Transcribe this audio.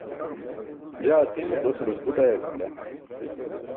jaa asiimuc osalas buṭ ayarum bila